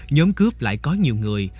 nhóm cướp lại có nhiều người